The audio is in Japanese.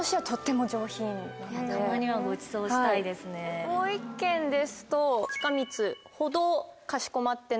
もう１軒ですと。